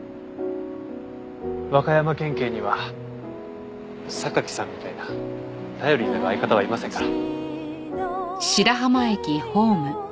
和歌山県警には榊さんみたいな頼りになる相方はいませんから。